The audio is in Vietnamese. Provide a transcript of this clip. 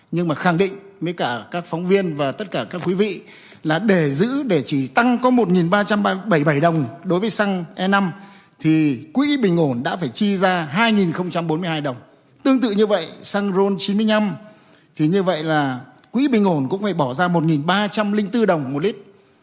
như vậy là quỹ bình ổn cũng phải bỏ ra một ba trăm linh bốn đồng một lít